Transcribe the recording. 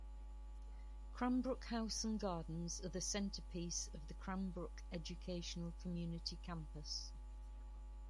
Cranbrook House and Gardens are the centerpiece of the Cranbrook Educational Community campus.